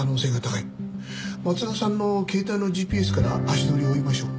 松田さんの携帯のＧＰＳから足取りを追いましょう。